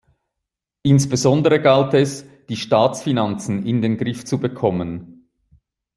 Insbesondere galt es, die Staatsfinanzen in den Griff zu bekommen.